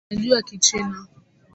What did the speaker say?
Anajua kichina